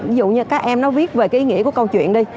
ví dụ như các em nó viết về cái ý nghĩa của câu chuyện đi